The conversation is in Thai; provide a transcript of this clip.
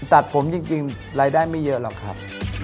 ตัดผมจริงรายได้ไม่เยอะหรอกครับ